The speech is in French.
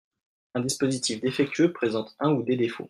Un dispositif défectueux présente un ou des défauts.